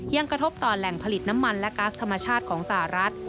กระทบต่อแหล่งผลิตน้ำมันและก๊าซธรรมชาติของสหรัฐ